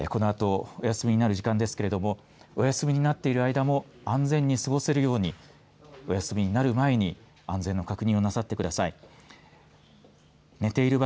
このあと、お休みになる時間ですけれどもお休みになっている間も安全に過ごせるようにお休みになる前に安全の確認をなさってください。